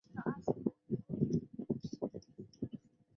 死后赠太子少保。